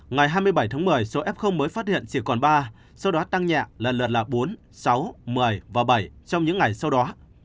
ngày hai mươi bảy tháng một mươi số f mới phát hiện chỉ còn ba sau đó tăng nhẹ lần lượt là bốn sáu một mươi và bảy trong những ngày sau đó